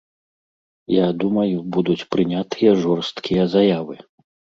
Я думаю, будуць прынятыя жорсткія заявы.